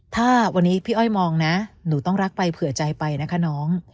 ถ้าวันนี้พี่อ้อยมองนะหนูต้องรักไปเผื่อใจไปนะคะน้อง